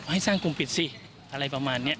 ให้สร้างกลุ่มปิดสิอะไรประมาณนี้